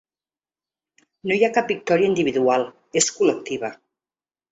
No hi ha cap victòria individual, és col·lectiva.